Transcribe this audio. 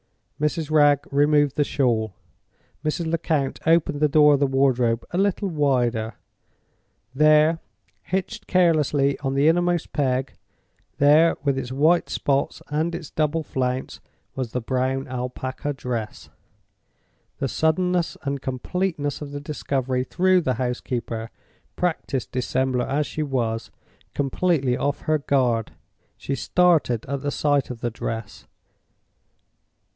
Mrs. Wragge removed the shawl; Mrs. Lecount opened the door of the wardrobe a little wider. There—hitched carelessly on the innermost peg—there, with its white spots, and its double flounce, was the brown Alpaca dress! The suddenness and completeness of the discovery threw the housekeeper, practiced dissembler as she was, completely off her guard. She started at the sight of the dress.